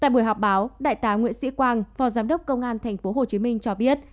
tại buổi họp báo đại tá nguyễn sĩ quang phó giám đốc công an tp hcm cho biết